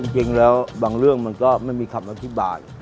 จริงแล้วบางเรื่องมันก็ไม่มีคำอธิบาย